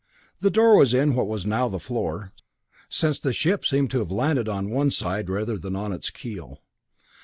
The door was in what was now the floor, since the ship seemed to have landed on one side rather than on its keel.